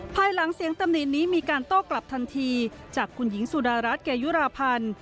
ภายหลังเสียงตำหนินี้มีการโต้กลับทันทีจากคุณหญิงสุดารัฐเกยุราพันธ์